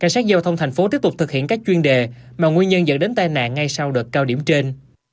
cảnh sát giao thông thành phố tiếp tục thực hiện các chuyên đề mà nguyên nhân dẫn đến tai nạn ngay sau đợt cao điểm trên